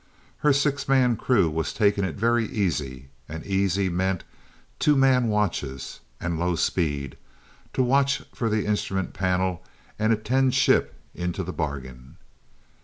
Her six man crew was taking it very easy, and easy meant two man watches, and low speed, to watch for the instrument panel and attend ship into the bargain.